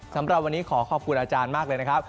สำหรับวันนี้ขอขอบคุณอาจารย์มากเลยนะครับ